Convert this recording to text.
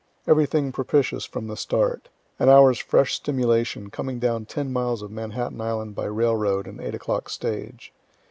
Everything propitious from the start. An hour's fresh stimulation, coming down ten miles of Manhattan island by railroad and 8 o'clock stage.